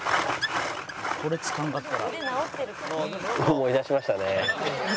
思い出しましたね。